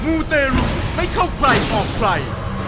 มูเตรุให้เข้าใครออกไฟ